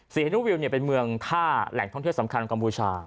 ฮินูวิวเป็นเมืองท่าแหล่งท่องเที่ยวสำคัญกัมพูชา